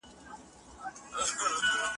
چې د اندېښنو بوډا ځنګل به